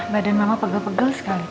badan mama pegel pegel sekali